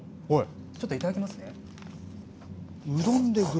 ちょっといただきますね。